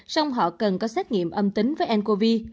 xong họ cần có xét nghiệm âm tính với ncov